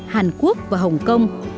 hàn quốc và hồng kông